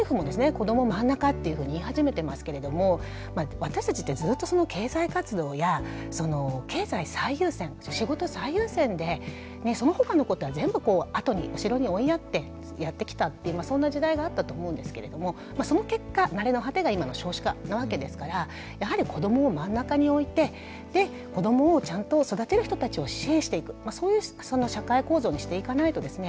「こどもまんなか」っていうふうに言い始めてますけれども私たちってずっと経済活動や経済最優先仕事最優先でその他のことは全部あとに後ろに追いやってやってきたっていうそんな時代があったと思うんですけれどもその結果成れの果てが今の少子化なわけですからやはり子どもをまんなかに置いてで子どもをちゃんと育てる人たちを支援していくそういう社会構造にしていかないとですね